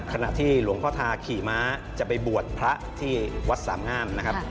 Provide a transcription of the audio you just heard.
ขณะที่หลวงพ่อทาขี่ม้าจะไปบวชพระที่วัดสามงามนะครับ